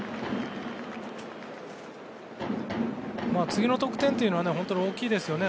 次の得点というのは本当に大きいですよね。